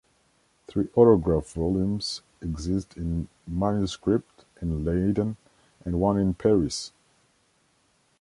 Three autograph volumes exist in manuscript in Leiden and one in Paris.